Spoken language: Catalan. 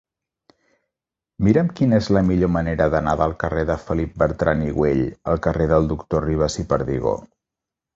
Mira'm quina és la millor manera d'anar del carrer de Felip Bertran i Güell al carrer del Doctor Ribas i Perdigó.